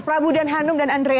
prabu dan hanum dan andre